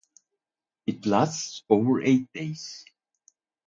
It lasts over eight days.